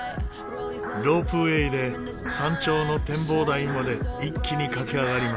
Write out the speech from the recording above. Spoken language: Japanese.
ロープウェーで山頂の展望台まで一気に駆け上がります。